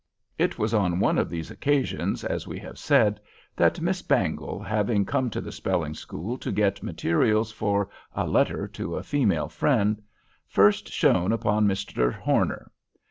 It was on one of these occasions, as we have said, that Miss Bangle, having come to the spelling school to get materials for a letter to a female friend, first shone upon Mr. Horner.